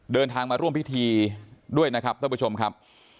เดินทางมาร่วมพิธีด้วยนะครับท่านผู้ชมครับ